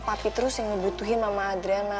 papi terus yang ngebutin mama adriana